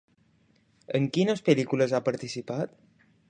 En quines pel·lícules ha participat?